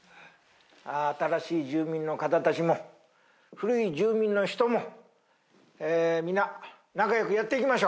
新しい住民の方たちも古い住民の人も皆仲良くやっていきましょう。